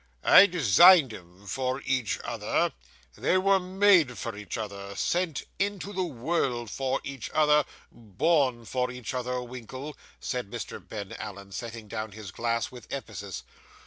'I designed 'em for each other; they were made for each other, sent into the world for each other, born for each other, Winkle,' said Mr. Ben Allen, setting down his glass with emphasis.